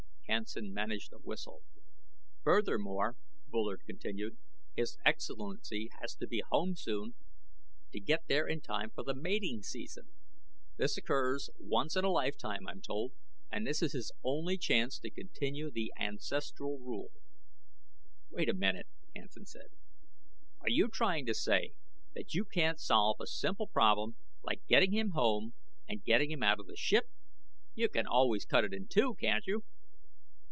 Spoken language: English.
Hansen managed a whistle. "Furthermore," Bullard continued, "His Excellency has to be home soon to get there in time for the mating season. This occurs once in a lifetime, I'm told, and this is his only chance to continue the ancestral rule " "Wait a minute," Hansen said. "Are you trying to say that you can't solve a simple problem like getting him home and getting him out of the ship? You can always cut it in two, can't you?"